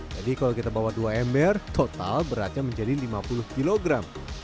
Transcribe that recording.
jadi kalau kita bawa dua ember total beratnya menjadi lima puluh kilogram